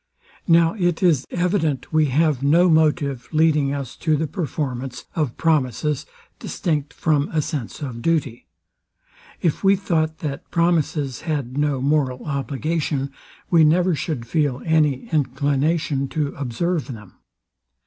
Now it is evident we have no motive leading us to the performance of promises, distinct from a sense of duty. If we thought, that promises had no moral obligation, we never should feel any inclination to observe them.